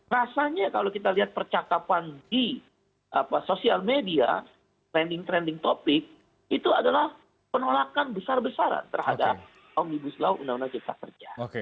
rasanya kalau kita lihat percakapan di sosial media trending trending topik itu adalah penolakan besar besaran terhadap dpr ri